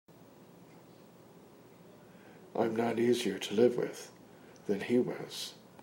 I'm not easier to live with than he was.